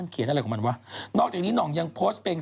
เขียนอะไรของมันวะนอกจากนี้หน่องยังโพสต์เป็น